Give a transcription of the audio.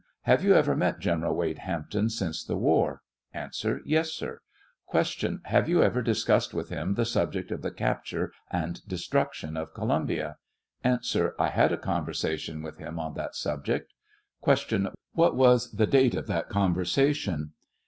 Have you ever met General Wade Hampton since the war? A. Yes, sir. Q. Have you ever discussed with him the subject of the capture and destruction of Columbia ? A. I had a conversation with him on that subject. Q. What was the date of that conversation